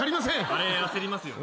あれ焦りますよね。